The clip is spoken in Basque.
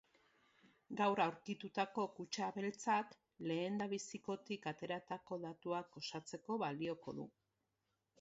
Gaur aurkitutako kutxa beltzak lehendabizikotik ateratako datuak osatzeko balioko du.